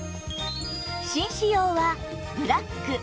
紳士用はブラック